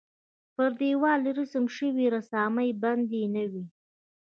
پر دېوال رسم شوې رسامۍ بدې نه وې.